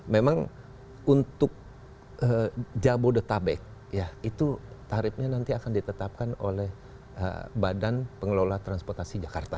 memang untuk jabodetabek ya itu tarifnya nanti akan ditetapkan oleh badan pengelola transportasi jakarta